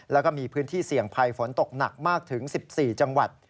แล้วก็มีพื้นที่เสี่ยงภัยฝนตกหนักมากถึง๑๔จังหวัด